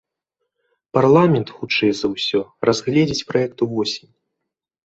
Парламент, хутчэй за ўсё, разгледзіць праект увосень.